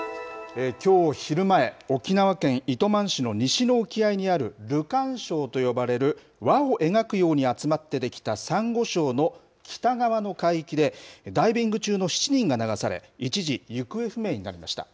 きょう昼前、沖縄県糸満市の西の沖合にある、ルカン礁と呼ばれる輪を描くように集まって出来たサンゴ礁の北側の海域で、ダイビング中の７人が流され、一時、行方不明になりました。